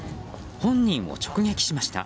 本人を直撃しました。